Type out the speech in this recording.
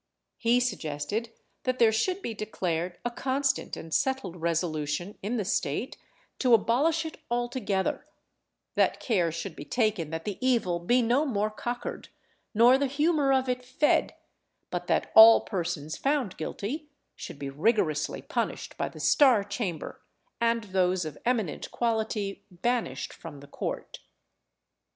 He suggested that there should be declared a constant and settled resolution in the state to abolish it altogether; that care should be taken that the evil be no more cockered, nor the humour of it fed, but that all persons found guilty should be rigorously punished by the Star Chamber, and those of eminent quality banished from the court.